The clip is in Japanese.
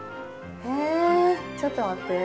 えちょっと待って。